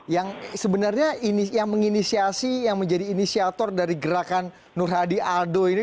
yang sebenarnya yang menginisiasi yang menjadi inisiator dari gerakan nur hadi aldo ini